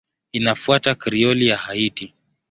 Inafuata Krioli ya Haiti.